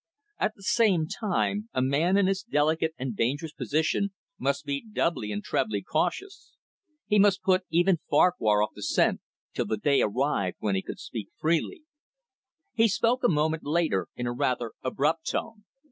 At the same time a man in his delicate and dangerous position must be doubly and trebly cautious. He must put even Farquhar off the scent, till the day arrived when he could speak freely. He spoke a moment after, in a rather abrupt tone.